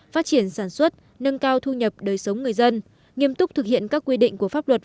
phát triển sản xuất nâng cao thu nhập đời sống người dân nghiêm túc thực hiện các quy định của pháp luật